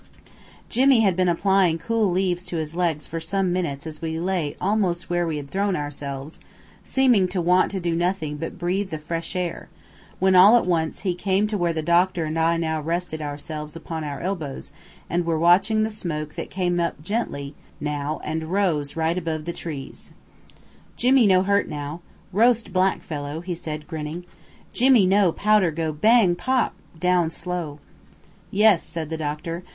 Jimmy had been applying cool leaves to his legs for some minutes as we lay almost where we had thrown ourselves, seeming to want to do nothing but breathe the fresh air, when all at once he came to where the doctor and I now rested ourselves upon our elbows and were watching the smoke that came up gently now and rose right above the trees. "Jimmy no hurt now. Roast black fellow," he said grinning. "Jimmy know powder go bang pop! down slow." "Yes," said the doctor.